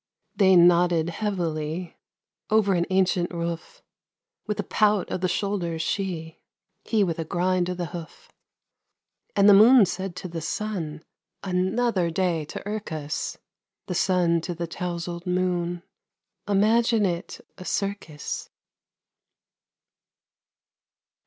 They nodded heavily Over an ancient roof, With a pout o' the shoulders, she, He with a grind o' the hoof. And the moon said to the sun: "Another day to irk us!" The sun to the touzled moon, "Imagine it a circus."